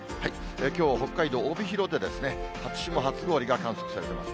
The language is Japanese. きょう北海道帯広で初霜、初氷が観測されています。